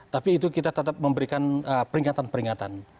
tapi itu kita tetap memberikan peringatan peringatan